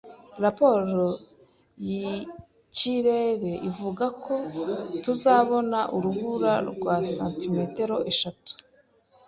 Raporo yikirere ivuga ko tuzabona urubura rwa santimetero eshatu